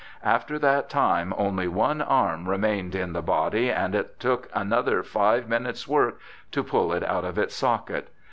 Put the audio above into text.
After that time only one arm remained in the body, and it took another five minutes' work to pull it out of its socket.